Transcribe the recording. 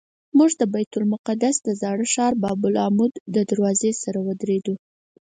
موږ د بیت المقدس د زاړه ښار باب العمود دروازې سره ودرېدو.